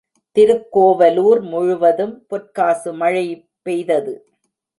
திருக்கோவலூர் முழுதும் பொற்காசு மழை பெய்தது.